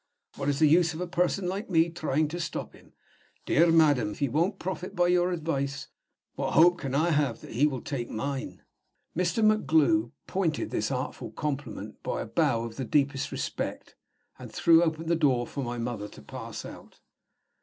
Where is the use of a person like me trying to stop him? Dear madam, if he won't profit by your advice, what hope can I have that he will take mine?" Mr. MacGlue pointed this artful compliment by a bow of the deepest respect, and threw open the door for my mother to pass out.